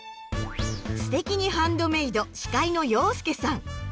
「すてきにハンドメイド」司会の洋輔さん。